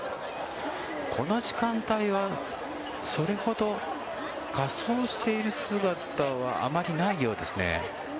この時間帯はそれほど仮装している姿はあまりないようですね。